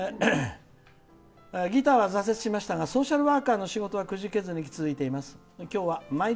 ギターは挫折しましたがソーシャルワーカーの仕事はくじけずに続いています。